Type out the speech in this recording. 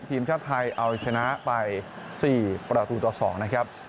ทีมชาติไทยเอาชนะไป๔ประตูต่อ๒นะครับ